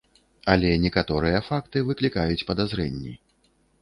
Але некаторыя факты выклікаюць падазрэнні.